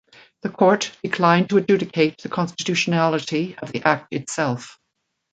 The court declined to adjudicate the constitutionality of the Act itself.